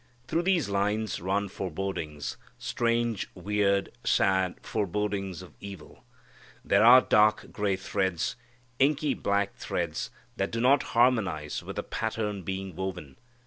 Through these lines run forebodings, strange, weird, sad forebodings of evil. There are dark gray threads, inky black threads, that do not harmonize with the pattern being woven.